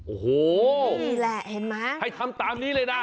โอ้โหนี่แหละเห็นไหมให้ทำตามนี้เลยนะ